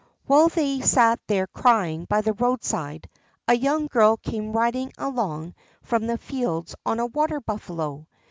While they sat there crying by the roadside a young girl came riding along from the fields on a water buffalo.